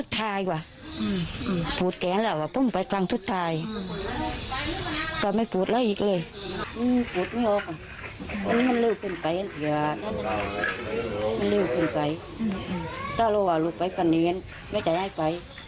ถ้าเรารู้ว่าารู้ไปก็เนี๋ยนไม่ใส่ให้ไป